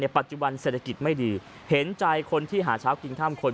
ปัจจุบันเศรษฐกิจไม่ดีเห็นใจคนที่หาเช้ากินข้ามคน